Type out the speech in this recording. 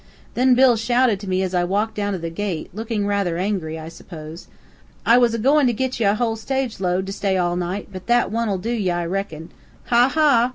Then Bill shouted to me as I walked down to the gate, looking rather angry I suppose: "I was agoin' to git ye a whole stage load, to stay all night, but that one'll do ye, I reckon. Ha, ha!"